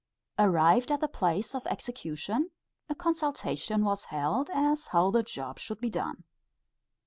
Arrived at the place of execution, a consultation was held as to how the job should be done.